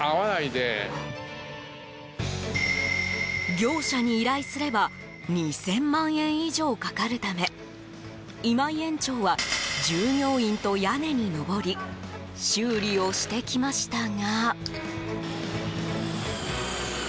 業者に依頼すれば２０００万円以上かかるため今井園長は従業員と屋根に上り修理をしてきましたが。